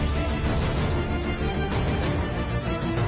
ผู้เป็นแรงแห่งใจ